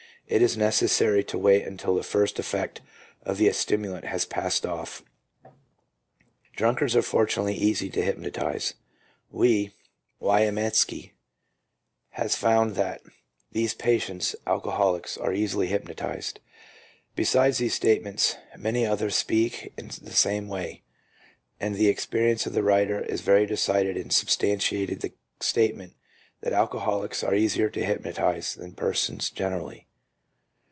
It is necessary to wait until the first effect of the stimulant has passed off." 2 "Drunkards are fortunately easy to hypno tize." 3 " He (Wiamesky) has found that these patients (alcoholics) are easily hypnotized." 4 Be sides these statements, many others speak in the same way, and the experience of the writer is very decided in substantiating the statement that alco holics are easier to hypnotize than persons generally.